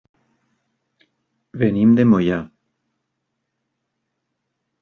Venim de Moià.